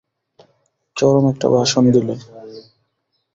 চরম একটা ভাষণ দিলে।